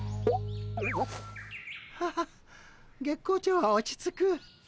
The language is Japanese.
ハハ月光町は落ち着く。